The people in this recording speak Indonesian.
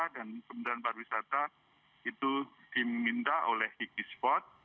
dan kemudian pariwisata itu diminta oleh kikisport